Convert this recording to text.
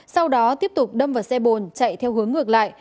sau đó tiếp tục đâm vào xe bồn chạy theo hướng ngược lại